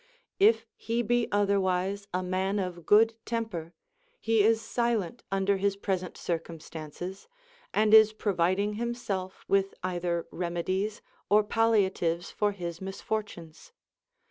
If he be otherwise a man of good temper, he is silent under his present circumstances, and is providing himself with either remedies or palliatives for his misfortunes.